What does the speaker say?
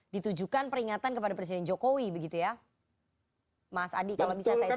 ditujukan peringatan kepada presiden jokowi begitu ya mas adi kalau bisa saya sampaikan